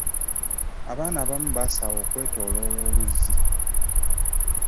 Abaana abamu basaawa okwetooloola oluzzi.